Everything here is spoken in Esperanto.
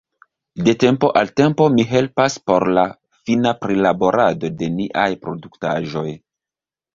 De tempo al tempo mi helpas por la fina prilaborado de niaj produktaĵoj.